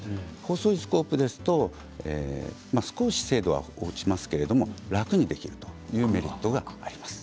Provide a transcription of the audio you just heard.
細いスコープですと少し精度は落ちますけれども楽にできるというメリットがあります。